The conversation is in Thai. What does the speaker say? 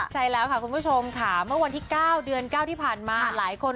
ใช่แล้วค่ะคุณผู้ชมค่ะเมื่อวันที่๙เดือน๙ที่ผ่านมาหลายคน